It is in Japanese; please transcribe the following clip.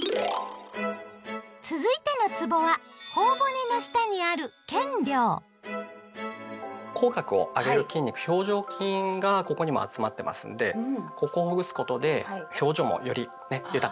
続いてのつぼはほお骨の下にある口角を上げる筋肉表情筋がここにも集まってますんでここをほぐすことで表情もよりね豊かに。